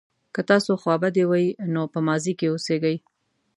که تاسو خوابدي وئ نو په ماضي کې اوسیږئ.